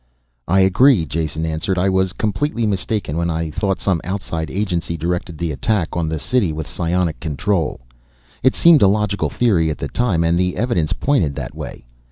"I agree," Jason answered. "I was completely mistaken when I thought some outside agency directed the attack on the city with psionic control. It seemed a logical theory at the time and the evidence pointed that way.